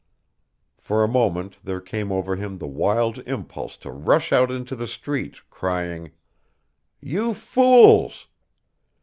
For a moment there came over him the wild impulse to rush out into the street, crying: "You fools!